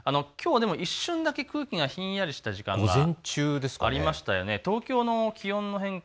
きょうは一瞬だけ空気がひんやりした時間がありましたよね。